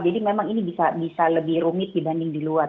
jadi memang ini bisa lebih rumit dibanding di luar